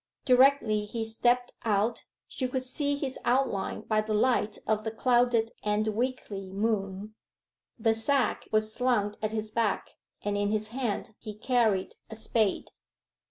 Directly he stepped out she could see his outline by the light of the clouded and weakly moon. The sack was slung at his back, and in his hand he carried a spade.